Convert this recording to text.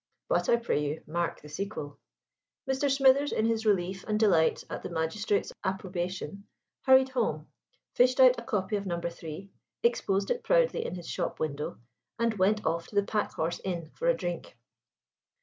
But, I pray you, mark the sequel. Mr. Smithers, in his relief and delight at the Magistrates' approbation, hurried home, fished out a copy of No. 3, exposed it proudly in his shop window, and went off to the Packhorse Inn for a drink.